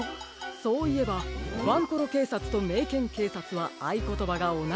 そういえばワンコロけいさつとメイケンけいさつはあいことばがおなじでしたね。